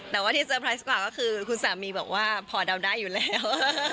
แต่ว่าที่เตอร์ไพรส์กว่าก็คือคุณสามีบอกว่าพอเดาได้อยู่แล้ว